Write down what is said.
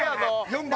４番！